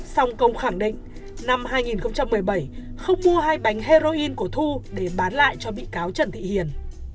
song công khẳng định năm hai nghìn một mươi bảy không mua hai bánh heroin của thu để bán lại cho bị cáo trần thị hiền